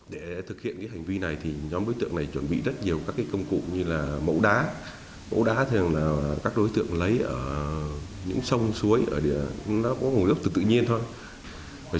để thực hiện hành vi này nhóm đối tượng này chuẩn bị rất nhiều công cụ như mẫu đá mẫu đá thường là các đối tượng lấy ở những sông suối nó có một lớp thực tự nhiên thôi